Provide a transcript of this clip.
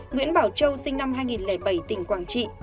nguyễn bảo châu sinh năm hai nghìn bảy tỉnh quảng trị